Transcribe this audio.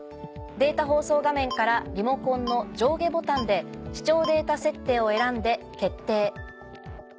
データ放送画面からリモコンの上下ボタンで「視聴データ設定」を選んで決定。